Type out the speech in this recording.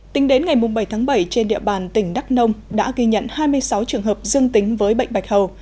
tính đến ngày bảy tháng bảy trên địa bàn tỉnh đắk nông đã ghi nhận hai mươi sáu trường hợp dương tính với bệnh bạch hầu